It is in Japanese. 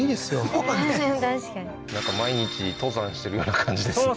確かになんか毎日登山してるような感じですね